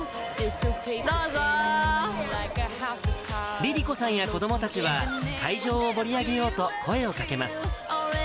梨里子さんや子どもたちは、会場を盛り上げようと声をかけます。